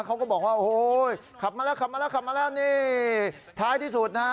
เขาก็บอกว่าโอ้โหขับมาแล้วขับมาแล้วขับมาแล้วนี่ท้ายที่สุดนะฮะ